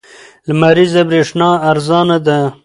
لمریزه برېښنا ارزانه ده.